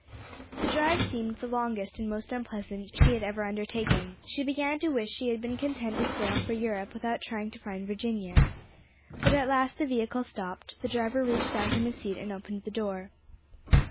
The drive seemed the longest and most unpleasant she had ever undertaken; she began to wish she had been content to sail for Europe without trying to find Virginia. But at last the vehicle stopped, the driver reached down from his seat and opened the door.